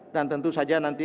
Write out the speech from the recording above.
dan tentu saja nanti